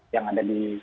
yang ada di